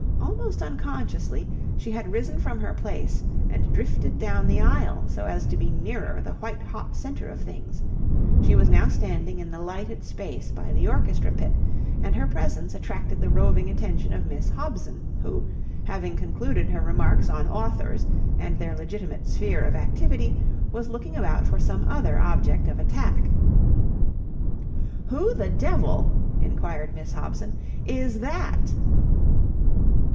Almost unconsciously, she had risen from her place and drifted down the aisle so as to be nearer the white hot centre of things. She was now standing in the lighted space by the orchestra pit, and her presence attracted the roving attention of Miss Hobson, who, having concluded her remarks on authors and their legitimate sphere of activity, was looking about for some other object of attack. "Who the devil," inquired Miss Hobson, "is that?"